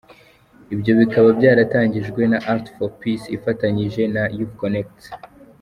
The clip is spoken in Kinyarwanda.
Ibyo bikaba byaratangijwe na “Arts for peace” ifatanyije na “Youthconnekt”.